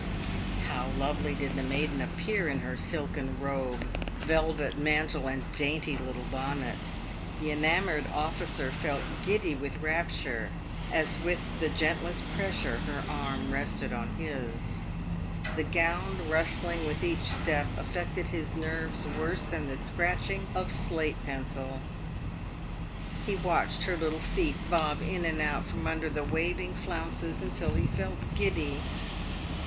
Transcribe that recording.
How lovely did the maiden appear in her silken robe, velvet mantle, and dainty little bonnet ! The enamoured officer felt giddy with rapture as with the gentlest pressure her arm rested on his. The gown rustling with each step affected his nerves worse than the scratching of slate pencil. He watched her little feet bob in and out from under the waving flounces until he felt giddy.